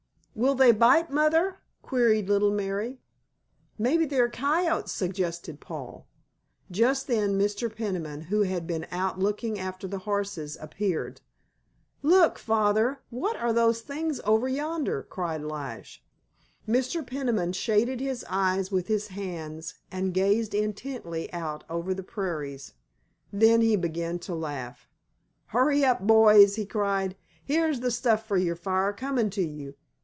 "Will they bite, Mother?" queried little Mary. "Maybe they're coyotes," suggested Paul. Just then Mr. Peniman, who had been out looking after the horses, appeared. "Look, Father, what are those things over yonder?" cried Lige. Mr. Peniman shaded his eyes with his hand and gazed intently out over the prairies. Then he began to laugh. "Hurry up, boys," he cried, "here's the stuff for your fire coming to you!